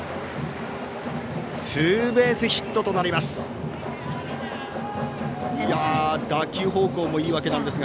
ツーベースヒットとなります。